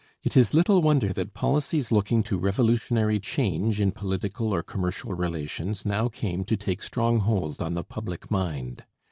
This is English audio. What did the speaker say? It is little wonder that policies looking to revolutionary change in political or commercial relations now came to take strong hold on the public mind.